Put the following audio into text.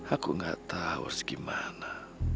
aku gak tau harus gimana